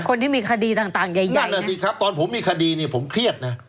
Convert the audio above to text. คนที่มีคดีต่างใหญ่นั่นแหละสิครับตอนผมมีคดีเนี่ยผมเครียดนะ